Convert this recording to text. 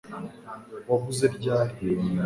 waguze ryari